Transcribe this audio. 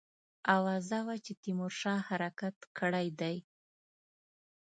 آوازه وه چې تیمورشاه حرکت کړی دی.